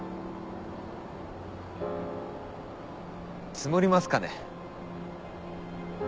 積もりますかね。